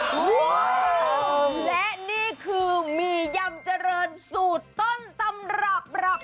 โอ้โหและนี่คือหมี่ยำเจริญสูตรต้นตำรับ